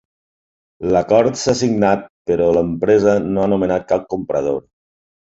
L'acord s'ha signat però l'empresa no ha nomenat cap comprador.